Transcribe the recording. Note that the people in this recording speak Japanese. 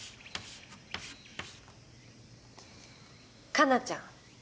花奈ちゃん。